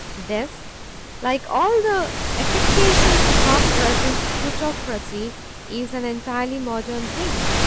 This, like all the affectations of our present plutocracy, is an entirely modern thing.